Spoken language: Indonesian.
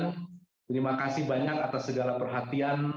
terima kasih banyak atas segala perhatian